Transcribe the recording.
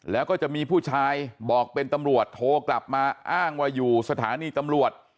แล้วก็จะมีผู้ชายบอกเป็นตำรวจโทรกลับมาอ้างว่าอยู่สถานีตำรวจ